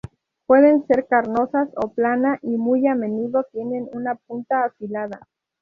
Pueden ser carnosas o plana y muy a menudo tienen una punta afilada.